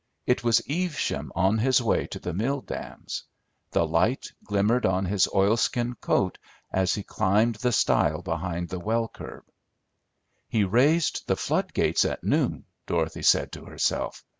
It was Evesham on his way to the mill dams. The light glimmered on his oilskin coat as he climbed the stile behind the well curb. "He raised the flood gates at noon," Dorothy said to herself.